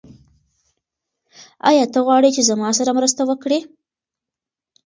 ایا ته غواړې چې زما سره مرسته وکړې؟